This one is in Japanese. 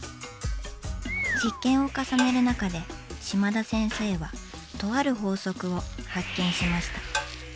実験を重ねる中でしまだ先生はとある法則を発見しました。